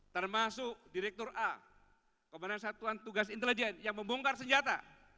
termasuk direktur a komandan satuan tugas intelijen yang membongkar senjata